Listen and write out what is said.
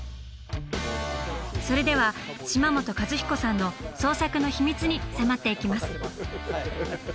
それでは島本和彦さんの創作の秘密に迫っていきます！